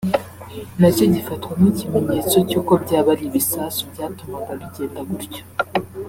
nacyo gifatwa nk’ikimenyetso cy’uko byaba ari ibisasu byatumaga bigenda gutyo